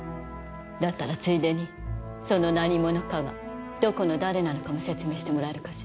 だったらついでにその何者かがどこの誰なのかも説明してもらえるかしら。